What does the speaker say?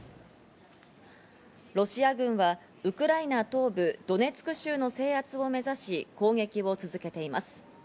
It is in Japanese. ロシア軍はウクライナ東部ドネツク州の制圧を目指し、攻撃を続けています。